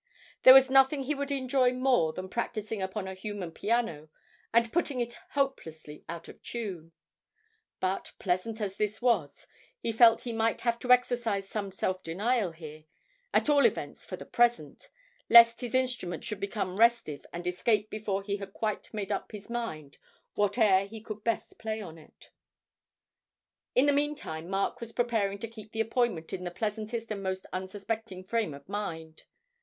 There was nothing he would enjoy more than practising upon a human piano and putting it hopelessly out of tune; but pleasant as this was, he felt he might have to exercise some self denial here, at all events for the present, lest his instrument should become restive and escape before he had quite made up his mind what air he could best play upon it. In the meantime Mark was preparing to keep the appointment in the pleasantest and most unsuspecting frame of mind.